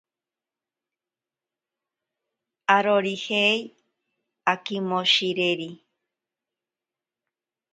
Arorijei akimoshireri.